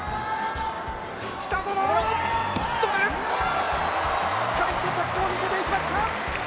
北園、しっかりと着地もみせていきました！